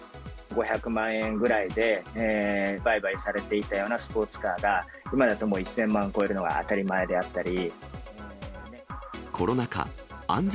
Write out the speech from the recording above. ５００万円ぐらいで売買されていたようなスポーツカーが、今だともう１０００万超えるのが当たり前であったり。